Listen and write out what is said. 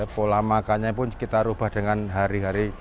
pola makannya pun kita ubah dengan hari hari